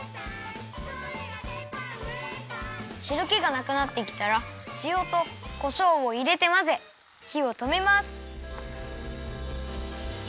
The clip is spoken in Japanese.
しるけがなくなってきたらしおとこしょうをいれてまぜひをとめます。